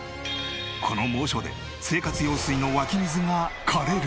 この猛暑で生活用水の湧き水が枯れる。